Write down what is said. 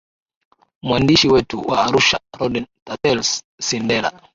mwandishi wetu wa arusha rodn tatels sindela